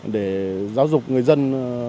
để giáo dục người dân